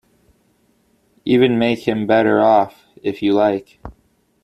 Even make him better off, if you like.